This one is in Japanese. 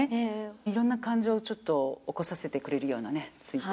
いろんな感情をちょっと起こさせてくれるようなねツイート。